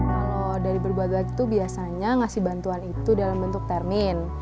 kalau dari berbagai itu biasanya ngasih bantuan itu dalam bentuk termin